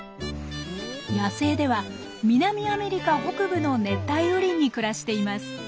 野生では南アメリカ北部の熱帯雨林に暮らしています。